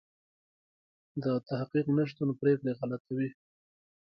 د تحقیق نشتون پرېکړې غلطوي.